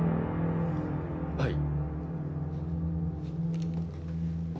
はい。